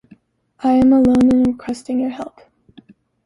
I am alone and am requesting your help.